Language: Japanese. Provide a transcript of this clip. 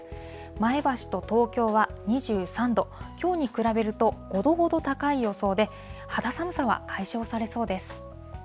前橋と東京は２３度、きょうに比べると５度ほど高い予想で、肌寒さは解消されそうです。